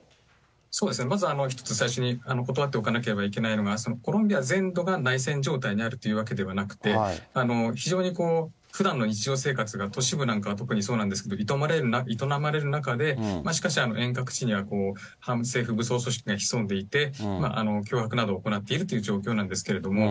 そうですね、一つ最初に、ことわっておかなければいけないのが、コロンビア全土が内戦状態にあるというわけではなくて、非常にふだんの日常生活が都市部なんかは特にそうなんですけど、営まれる中で、しかし、遠隔地には反政府武装組織が潜んでいて、脅迫などを行っているという状況なんですけども。